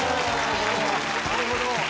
なるほど！